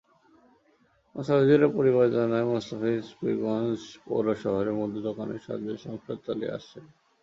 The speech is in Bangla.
মোস্তাফিজুরের পরিবার জানায়, মোস্তাফিজ পীরগঞ্জ পৌর শহরে মুদি দোকানের সাহায্যে সংসার চালিয়ে আসছিলেন।